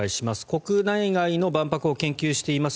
国内外の万博を研究しています